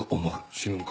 死ぬんか？